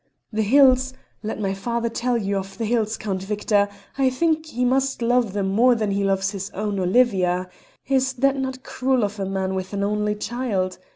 The hills let my father tell you of the hills, Count Victor; I think he must love them more than he loves his own Olivia is that not cruel of a man with an only child?